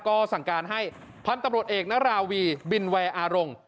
ก็สั่งการให้พันธุ์ตำรวจเอกนราวีบินแวร์อารง